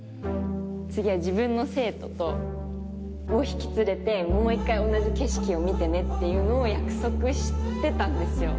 次は自分の生徒を引き連れてもう一回同じ景色を見てねっていうのを約束してたんですよ。